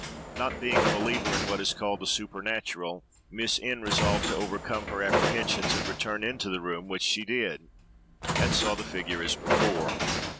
Not being a believer in what is called the "supernatural," Miss N—— resolved to overcome her apprehensions, and return into the room, which she did, and saw the figure as before.